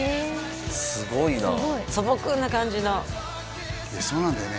すごいな素朴な感じのそうなんだよね